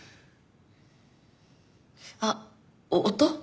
あっお音？